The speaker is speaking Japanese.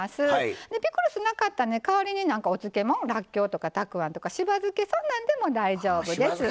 ピクルスなかったら代わりにお漬物らっきょう、たくあん柴漬さんでも大丈夫です。